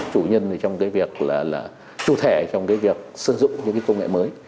chủ nhân trong cái việc là là chủ thể trong cái việc sử dụng những công nghệ mới